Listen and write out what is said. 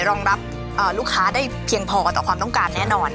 รองรับลูกค้าได้เพียงพอต่อความต้องการแน่นอน